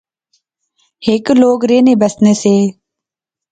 ہیک لوک رہنے بسنے سے